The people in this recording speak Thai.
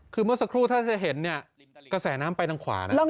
คือเมื่อสักครู่ถ้าจะเห็นเนี่ยกระแสน้ำไปทางขวานะ